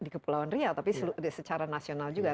di kepulauan riau tapi secara nasional juga